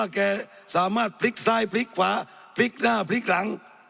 แกสามารถพลิกซ้ายพลิกขวาพลิกหน้าพลิกหลัง